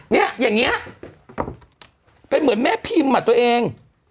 เนี่ยอย่างนี้เป็นเหมือนแม่พิมพ์อ่ะตัวเอง